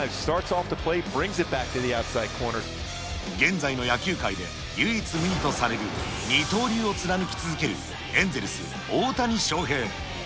現在の野球界で唯一無二とされる二刀流を貫き続けるエンゼルス、大谷翔平。